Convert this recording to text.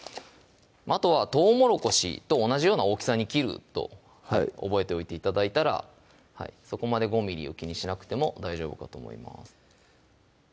あとはとうもろこしと同じような大きさに切ると覚えておいて頂いたらそこまで５ｍｍを気にしなくても大丈夫かと思います